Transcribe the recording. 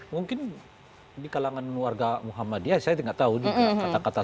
mungkin di kalangan warga muhammadiyah saya tidak tahu juga kata kata